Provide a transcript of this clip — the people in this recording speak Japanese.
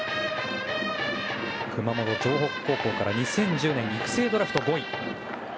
熊本・城北高校から２０１０年、育成ドラフト５位。